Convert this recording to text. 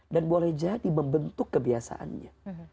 dan boleh jadi membentuk kebiasaannya